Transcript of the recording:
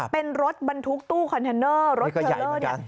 เป็นรถบรรทุกตู้คอนเทนเนอร์รถเทลเลอร์เนี่ย